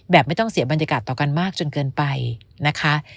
ไม่ต้องเสียบรรยากาศต่อกันมากจนเกินไปนะคะ